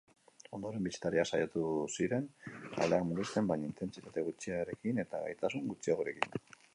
Ondoren bisitariak saiatu ziren aldeak murrizten, baina intentsitate gutxirekin eta gaitasun gutxiagorekin.